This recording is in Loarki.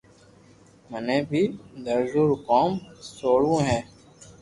مني بي درزو رون ڪوم سوڙووو ھي